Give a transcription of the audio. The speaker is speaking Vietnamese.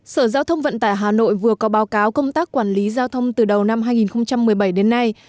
sở giao thông vận tải hà nội vừa có báo cáo công tác quản lý giao thông từ đầu năm hai nghìn một mươi bảy đến nay